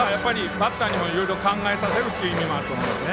バッターにもいろいろ考えさせる意味もあると思いますね。